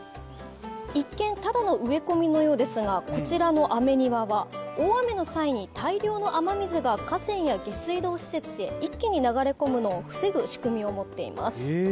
一見、ただの植え込みのようなですが、こちらの雨庭は大雨の際に大量の雨水が河川や下水道施設に一気に流れ込むのを防ぐ仕組みを持っています。